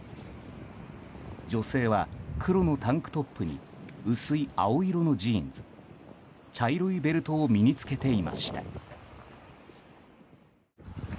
女性は黒のタンクトップに薄い青色のジーンズ茶色いベルトを身に着けていました。